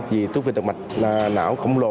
vì túi phình đồng mạch não khổng lồ